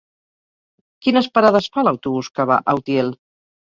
Quines parades fa l'autobús que va a Utiel?